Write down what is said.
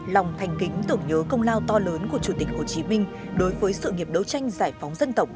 lòng thành kính tưởng nhớ công lao to lớn của chủ tịch hồ chí minh đối với sự nghiệp đấu tranh giải phóng dân tộc